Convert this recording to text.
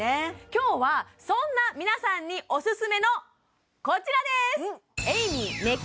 今日はそんな皆さんにオススメのこちらです